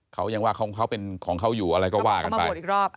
เขายังว่าของเขาเป็นของเขาอยู่อะไรก็ว่ากันไป